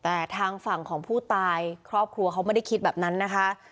แต่ทางฝั่งของผู้ตายครอบครัวเขาไม่ได้คิดแบบนั้นนะคะ